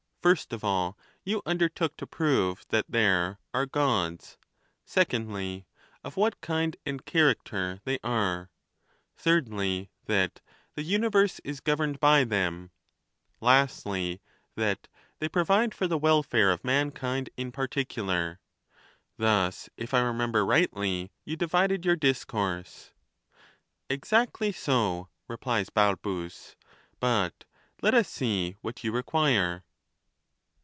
First of all, you undertook to prove that there " are Gods ;" secondly, " of wliat kind and character they are ;" thirdly, that " the universe is governed by them ;" lastly, that " they provide for the welfare of mankind in particular." Thus, if I re member rightly, you divided your discourse. Exactly so, replies Balbus ; but let us see what you require.